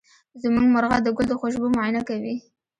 زمونږ مرغه د ګل د خوشبو معاینه کوي.